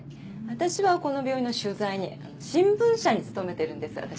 私はこの病院の取材に新聞社に勤めてるんです私。